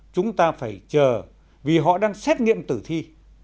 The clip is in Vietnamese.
chúng ta phải chờ vì họ đang xét nghiệm tử thi